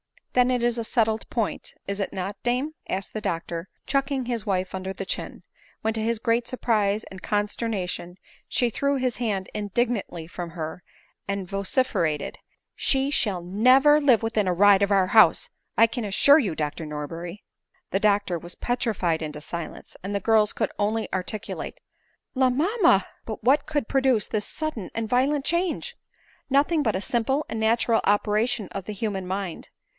" Then it is a settled point, is it not dame ?" asked the doctor, chucking his wife under the chin ; when to his great surprise and consternation, she threw his band in dignantly from her, and vociferated, " She shall never live within a ride of our house, I can assure you, Dr Nor berry." The doctor was petrified into silence, and the girls could only articulate, " La ! mamma !" But what could produce this sudden and violent change ? Nothing but a simple and natural operation of the human mind.